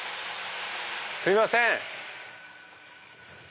すいません！